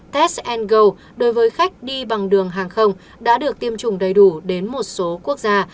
test go đối với khách đi bằng đường hàng không đã được tiêm chủng đầy đủ đến một số quốc gia